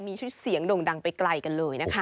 มีเสียงด่งดังไปไกลกันเลยนะครับ